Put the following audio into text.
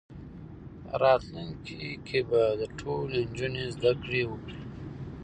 راتلونکي کې به ټولې نجونې زدهکړې وکړي.